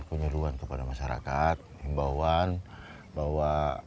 penyeruan kepada masyarakat imbauan bahwa